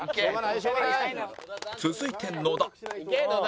続いて野田